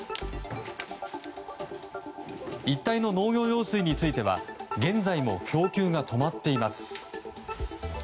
一帯の農業用水については現在も供給が止まっています。